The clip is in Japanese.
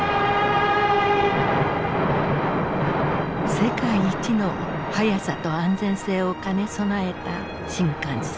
世界一の速さと安全性を兼ね備えた新幹線。